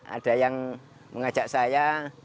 ada yang mengajak saya